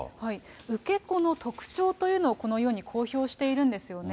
受け子の特徴というのを、このように公表しているんですよね。